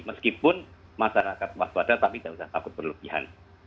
meskipun masyarakat waspada tapi tidak usah takut berlebihan